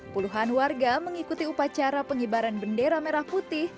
puluhan warga mengikuti upacara pengibaran bendera merah putih